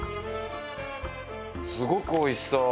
すごくおいしそう。